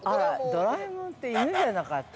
◆ドラえもんって犬じゃなかった？